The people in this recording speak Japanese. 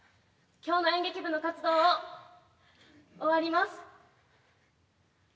今日の演劇部の活動を終わります。